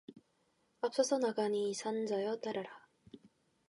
앞서서 나가니 산 자여 따르라.